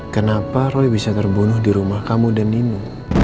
kenapa roy bisa terbunuh di rumah kamu dan ninu